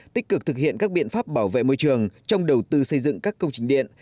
tích cực thực hiện các biện pháp bảo vệ môi trường trong đầu tư xây dựng các công trình điện